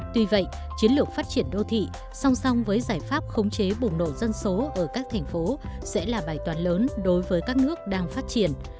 tuy vậy chiến lược phát triển đô thị song song với giải pháp khống chế bùng nổ dân số ở các thành phố sẽ là bài toàn lớn đối với các nước đang phát triển